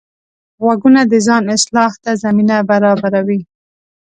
غوږونه د ځان اصلاح ته زمینه برابروي